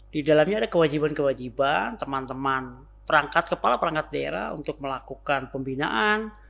di dalamnya ada kewajiban kewajiban teman teman perangkat kepala perangkat daerah untuk melakukan pembinaan